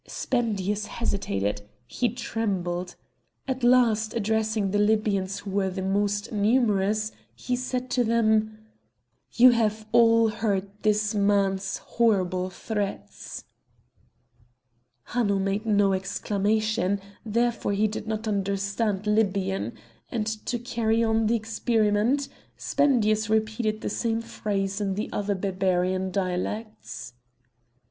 Spendius hesitated; he trembled; at last, addressing the Libyans who were the most numerous, he said to them: "You have all heard this man's horrible threats!" Hanno made no exclamation, therefore he did not understand Libyan; and, to carry on the experiment, Spendius repeated the same phrase in the other Barbarian dialects.